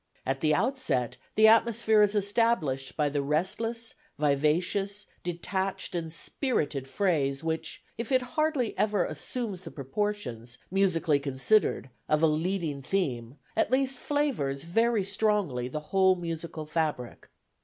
At the outset the atmosphere is established by the restless, vivacious, detached and spirited phrase which, if it hardly ever assumes the proportions, musically considered, of a leading theme, at least flavours very strongly the whole musical fabric.